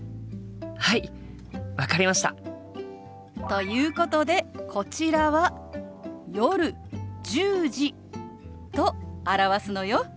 はい分かりました！ということでこちらは「夜１０時」と表すのよ。